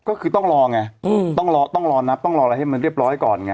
ก็คือต้องรอไงต้องรอต้องรอนับต้องรออะไรให้มันเรียบร้อยก่อนไง